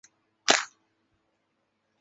十八里汰戏楼的历史年代为清代。